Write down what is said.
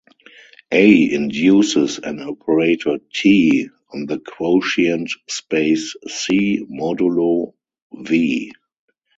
"A" induces an operator "T" on the quotient space C modulo "V".